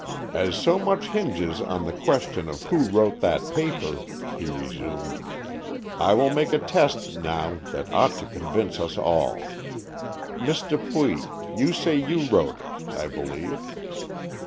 "As so much hinges on the question of who wrote that paper," he resumed, "I will make a test now that ought to convince us all. Miss Dupuy, you say that you wrote it, I believe."